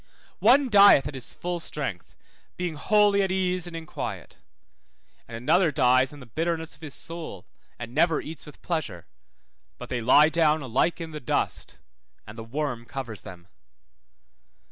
One dieth at his full strength, being wholly at ease and in quiet; and another dies in the bitterness of his soul, and never eats with pleasure; but they lie down alike in the dust, and the worm covers them.